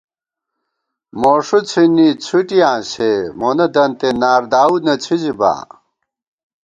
موݭُوڅھِنی څُھٹِیاں سےمونہ دنتےنارداؤ نہ څِھزِبا